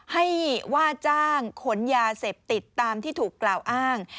ให้ว่าจ้างขนยาเสพติดตามที่ถูกกล่าวอ้าง